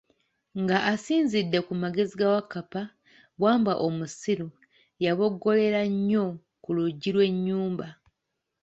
Nga asinzidde ku magezi ga Wakkappa, Wambwa omusiru yaboggolera nnyo ku luggi lwe enyumba.